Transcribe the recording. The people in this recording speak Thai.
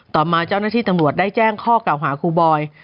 ต่อมาเจ้าหน้าที่ตำรวจได้แจ้งข้อเก่าหาครูบอย